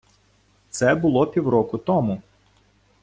Це було півроку тому.